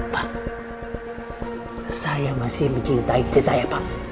pak saya masih mencintai istri saya pak